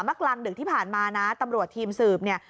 กลางดึกที่ผ่านมานะตำรวจทีมสืบเนี่ย